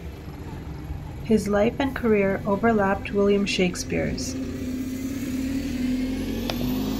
His life and career overlapped William Shakespeare's.